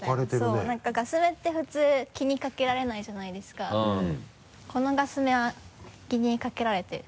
そうなんかガスメって普通気にかけられないじゃないですかこのガスメは気にかけられてる。